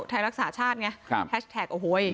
ไทยรักษาชาติไงแฮชแท็กโอ้โห